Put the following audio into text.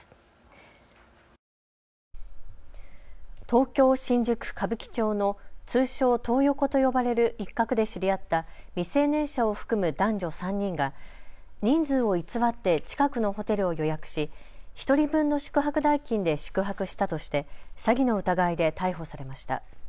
東京新宿、歌舞伎町の通称、トー横と呼ばれる一角で知り合った未成年者を含む男女３人が人数を偽って近くのホテルを予約し１人分の宿泊代金で宿泊したとして詐欺の疑いで逮捕されました。